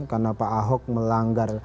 karena pak ahok melanggar